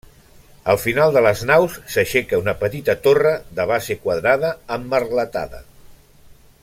Al final de les naus s'aixeca una petita torre de base quadrada emmerletada.